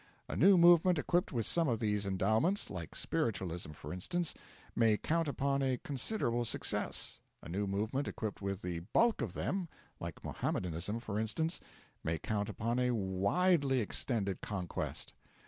A new movement equipped with some of these endowments like spiritualism, for instance may count upon a considerable success; a new movement equipped with the bulk of them like Mohammedanism, for instance may count upon a widely extended conquest.